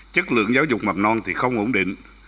chất lượng giáo dục mầm non thì không ổn định